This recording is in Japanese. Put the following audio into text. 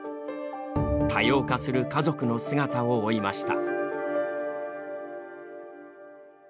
多様化する家族の姿を追いました。